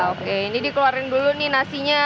oke ini dikeluarin dulu nih nasinya